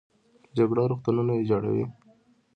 جګړه روغتونونه ویجاړوي